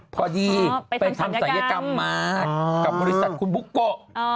พอดีไปทำศัยกรรมมากับบริษัทคุณบุ๊กโกะ